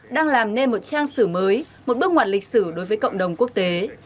đang làm nên một trang sử mới một bước ngoặt lịch sử đối với cộng đồng quốc tế